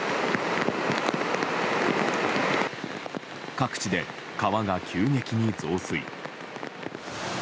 各地で川が急激に増水。